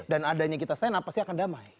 dan adanya kita stand up pasti akan damai